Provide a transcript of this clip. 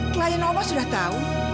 klien oma sudah tahu